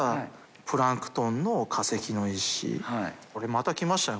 これまたきましたね。